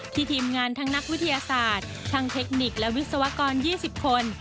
ทีมงานทั้งนักวิทยาศาสตร์ทั้งเทคนิคและวิศวกร๒๐คน